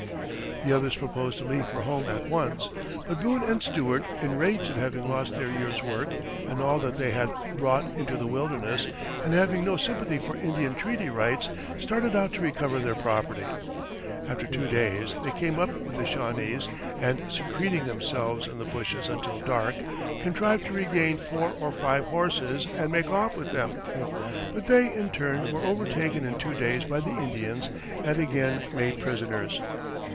The others proposed to leave for home at once; but Boone and Stuart, enraged at having lost their year's work and all that they had brought into the wilderness, and having no sympathy for Indian treaty rights, started out to recover their property. After two days they came up with the Shawnese, and secreting themselves in the bushes until dark, contrived to regain four or five horses and make off with them. But they, in turn, were overtaken in two days by the Indians and again made prisoners.